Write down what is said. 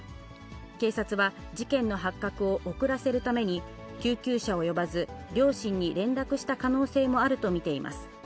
警察は、事件の発覚を遅らせるために、救急車を呼ばず、両親に連絡した可能性もあると見ています。